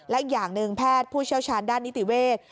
และอีกอย่างหนึ่งแพทย์ผู้เชี่ยวชาญด้านนิติเวทย์